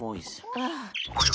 ああ。